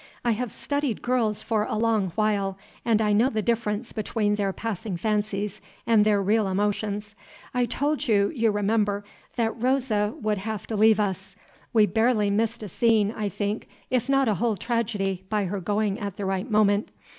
I have studied girls for a long while, and I know the difference between their passing fancies and their real emotions. I told you, you remember, that Rosa would have to leave us; we barely missed a scene, I think, if not a whole tragedy, by her going at the right moment.